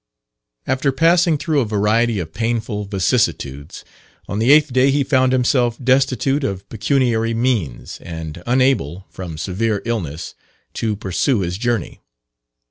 After passing through a variety of painful vicissitudes, on the eighth day he found himself destitute of pecuniary means, and unable, from severe illness, to pursue his journey.